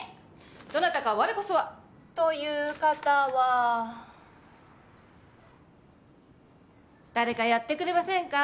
どなたか我こそは！という方は誰かやってくれませんか？